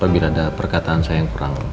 bila ada perkataan saya yang kurang